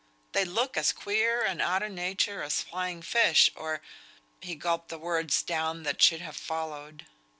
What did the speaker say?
They look as queer and out o' nature as flying fish, or" he gulped the words down that should have followed.